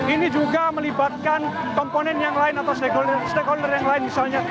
ini juga melibatkan komponen yang lain atau stakeholder yang lain misalnya